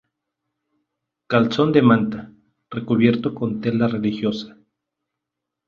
Calzón de manta, recubierto con tela religiosa.